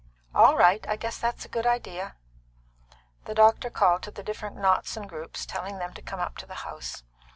"All right. I guess that's a good idea." The doctor called to the different knots and groups, telling them to come up to the house.